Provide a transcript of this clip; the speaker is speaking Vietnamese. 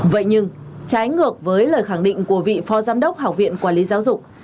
vậy nhưng trái ngược với lời khẳng định của vị phó giám đốc học viện quản lý giáo dục